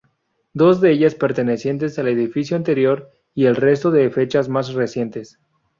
Dos de ellas pertenecientes al edificio anterior y el resto de fechas más recientes.